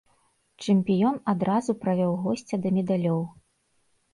Чэмпіён адразу правёў госця да медалёў.